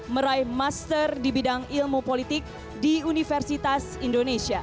meraih master di bidang ilmu politik di universitas indonesia